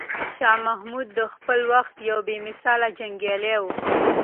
شاه محمود د خپل وخت یو بې مثاله جنګیالی و.